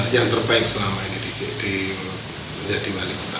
yang terbaik selama ini menjadi wali kota